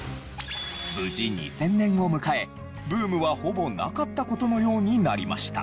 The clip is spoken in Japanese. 無事２０００年を迎えブームはほぼなかった事のようになりました。